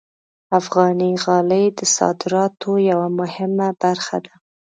افغاني غالۍ د صادراتو یوه مهمه برخه ده.